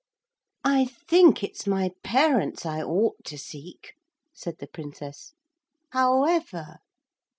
'I think it's my parents I ought to seek,' said the Princess. 'However...'